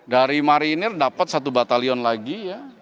dari marinir dapat satu batalion lagi ya